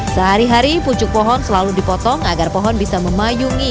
sehari hari pucuk pohon selalu dipotong agar pohon bisa memayungi